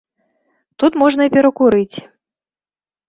Тут можна і перакурыць.